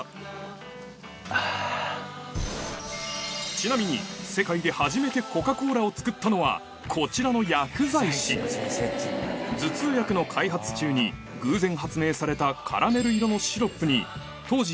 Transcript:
ちなみに世界で初めてコカ・コーラを作ったのはこちらの薬剤師頭痛薬の開発中に偶然発明されたカラメル色のシロップに当時医薬品として親しまれていたソーダ水をブレンド